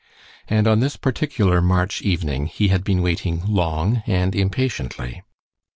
And on this particular March evening he had been waiting long and impatiently.